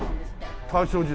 大正時代？